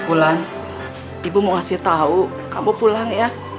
ulan ibu mau ngasih tau kamu pulang ya